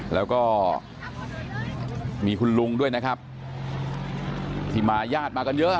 แล้วก็มีคุณลุงด้วยนะครับที่มาญาติมากันเยอะ